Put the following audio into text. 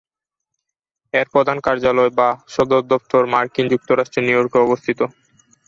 এর প্রধান কার্যালয় বা সদর দফতর মার্কিন যুক্তরাষ্ট্রের নিউইয়র্ক শহরে অবস্থিত।